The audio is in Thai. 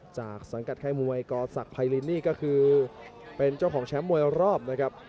สังกัดค่ายมวยกศักดิไพรินนี่ก็คือเป็นเจ้าของแชมป์มวยรอบนะครับ